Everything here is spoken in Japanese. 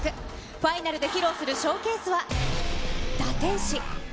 ファイナルで披露するショーケースは、堕天使。